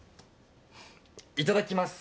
いただきます。